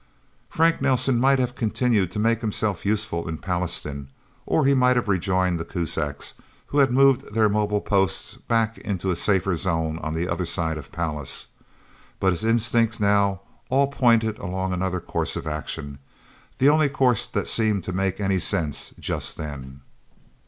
Frank Nelsen might have continued to make himself useful in Pallastown, or he might have rejoined the Kuzaks, who had moved their mobile posts back into a safer zone on the other side of Pallas. But his instincts, now, all pointed along another course of action the only course that seemed to make any sense just then.